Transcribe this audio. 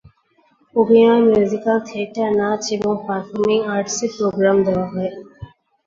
অভিনয়, musical theatre, নাচ এবং পারফর্মিং আর্টসে প্রোগ্রাম দেওয়া হয়।